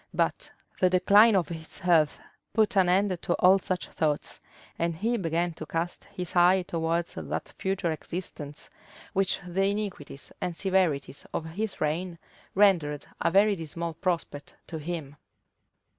But the decline of his health put an end to all such thoughts; and he began to cast his eye towards that future existence which the iniquities and severities of his reign rendered a very dismal prospect to him.